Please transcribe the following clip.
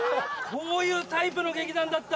こういうタイプの劇団だった。